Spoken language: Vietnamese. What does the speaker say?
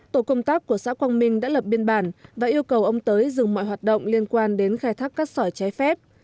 tổ công tác của xã quang minh đã lập biên bản và yêu cầu ông tới dừng mọi hoạt động liên quan đến khai thác cát sỏi trái phép